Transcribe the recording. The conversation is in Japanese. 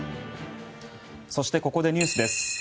そして、ここでニュースです。